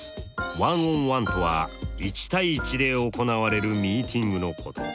１ｏｎ１とは１対１で行われるミーティングのこと。